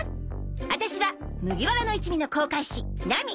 あたしは麦わらの一味の航海士ナミ。